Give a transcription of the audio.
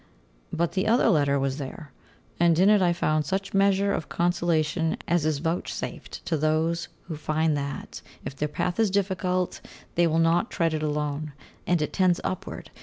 But the other letter was there, and in it I found such measure of consolation as is vouchsafed to those who find that, if their path is difficult, they will not tread it alone, and it tends upward.